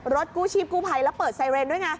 กู้ชีพกู้ภัยแล้วเปิดไซเรนด้วยไง